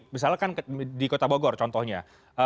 misalnya kan di kota bogor contohnya